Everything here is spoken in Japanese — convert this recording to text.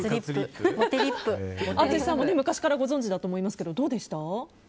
淳さんも昔からご存じだと思いますけどどうでした？